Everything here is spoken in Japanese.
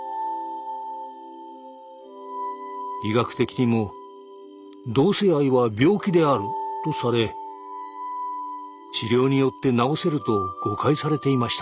医学的にも「同性愛は病気である」とされ治療によって治せると誤解されていました。